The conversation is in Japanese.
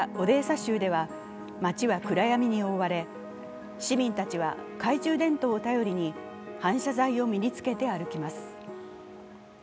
州では街は暗闇に覆われ市民たちは懐中電灯を頼りに反射材を身に着けて歩きます。